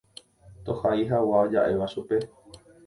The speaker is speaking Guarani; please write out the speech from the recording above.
tohai hag̃ua ja'éva chupe.